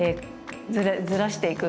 ずらしていく。